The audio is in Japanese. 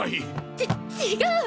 ち違う！